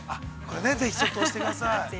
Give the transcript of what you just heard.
◆ぜひちょっと押してください。